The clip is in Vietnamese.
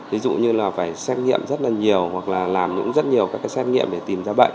ví dụ như là phải xét nghiệm rất là nhiều hoặc là làm những rất nhiều các cái xét nghiệm để tìm ra bệnh